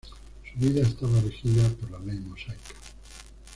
Su vida estaba regida por la ley mosaica.